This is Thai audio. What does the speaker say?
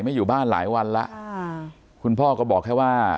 อยู่บ้านหลายวันแล้วคุณพ่อก็บอกแค่ว่า